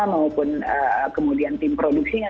maupun kemudian tim produksinya